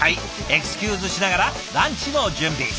エクスキューズしながらランチの準備。